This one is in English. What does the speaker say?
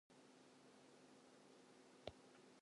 I just felt like I wasn't seen or understood.